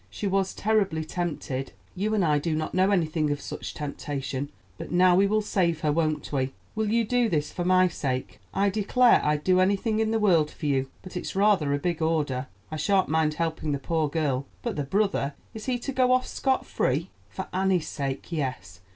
She was terribly tempted. You and I do not know anything of such temptation; but now we will save her, won't we? Will you do this for my sake?" "I declare I'd do anything in the world for you; but it's rather a big order. I shan't mind helping that poor girl; but the brother! is he to go off scot free?" "For Annie's sake, yes.